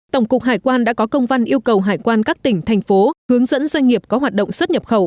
tổng cục hải quan đã có công văn yêu cầu hải quan các tỉnh thành phố hướng dẫn doanh nghiệp có hoạt động xuất nhập khẩu